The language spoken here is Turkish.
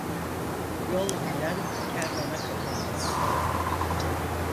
Yol bilen kervana katılmaz.